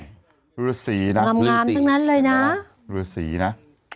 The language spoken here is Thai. จะรู้สีนะ